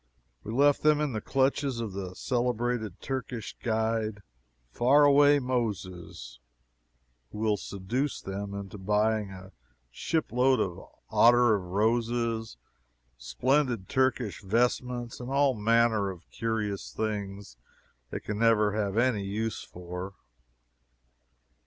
We left them in the clutches of the celebrated Turkish guide, "FAR AWAY MOSES," who will seduce them into buying a ship load of ottar of roses, splendid Turkish vestments, and all manner of curious things they can never have any use for.